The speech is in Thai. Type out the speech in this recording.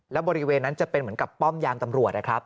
แล้วบริเวณนั้นจะเป็นเหมือนกับป้อมยามตำรวจนะครับ